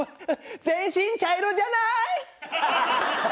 全身茶色じゃない？